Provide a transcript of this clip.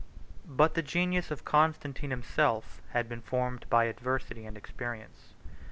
But the genius of Constantine himself had been formed by adversity and experience.